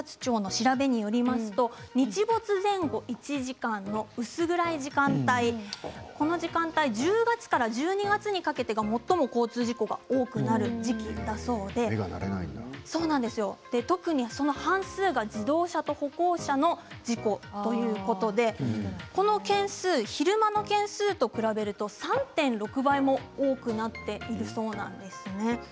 警察庁の調べによりますと日没前後１時間の薄暗い時間帯１０月から１２月にかけて最も交通事故が多くなる時期だそうで特にその半数が自動車と歩行者の事故ということでこの件数、昼間の件数と比べると３．６倍も多くなっているそうなんですね。